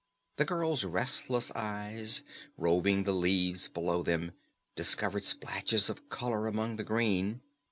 The girl's restless eyes, roving the leaves below them, discovered splashes of color among the green.